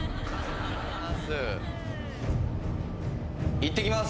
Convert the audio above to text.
いってきます。